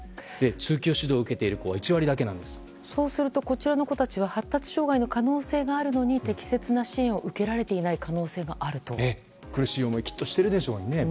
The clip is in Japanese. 通級指導を受けている子はそうすると、こちらの子たちは発達障害の可能性があるのに適切な支援を受けられていない苦しい思いをきっとしているでしょうね。